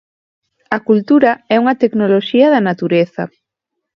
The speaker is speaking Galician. A cultura é unha tecnoloxía da natureza.